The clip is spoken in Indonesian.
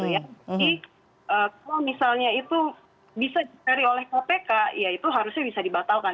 jadi kalau misalnya itu bisa dicari oleh kpk ya itu harusnya bisa dibatalkan